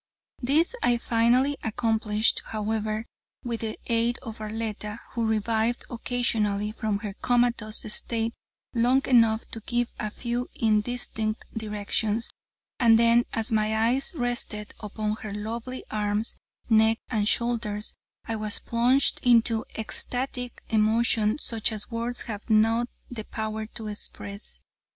This I finally accomplished, however, with the aid of Arletta, who revived occasionally from her comatose state long enough to give a few indistinct directions, and then as my eyes rested upon her lovely arms, neck and shoulders, I was plunged into ecstatic emotion such as words have not the power to express.